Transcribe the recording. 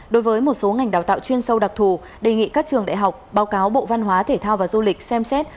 đối với một số ngành đào tạo chuyên sâu đặc thù đề nghị các trường đại học báo cáo bộ văn hóa thể thao và du lịch xem xét